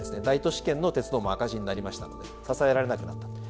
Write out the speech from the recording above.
大都市圏の鉄道も赤字になりましたので支えられなくなった。